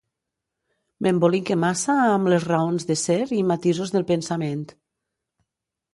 M'embolique massa amb les raons de ser i matisos del pensament.